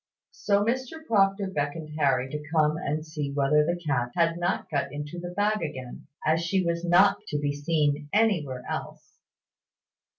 So Mr Proctor beckoned Harry to come and see whether the cat had not got into the bag again, as she was not to be seen anywhere else.